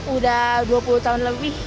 udah dua puluh tahun lebih